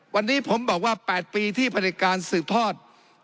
วันนี้ผมบอกว่า๘ปีที่ผลิตการสืบทอด